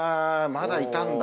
まだいたんだ。